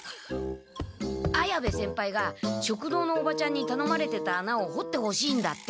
綾部先輩が食堂のおばちゃんにたのまれてた穴を掘ってほしいんだって。